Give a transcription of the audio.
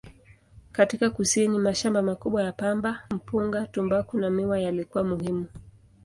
Katika kusini, mashamba makubwa ya pamba, mpunga, tumbaku na miwa yalikuwa muhimu.